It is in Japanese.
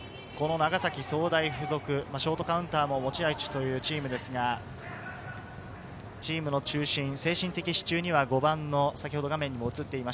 長崎総大附属、ショートカウンターも持ち味ですが、チームの中心、精神的支柱には５番の児玉勇翔。